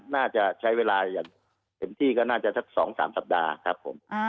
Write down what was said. น่าจะใช้เวลาอย่างเต็มที่ก็น่าจะสัก๒๓สัปดาห์ครับผม